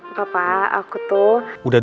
apa pa aku tuh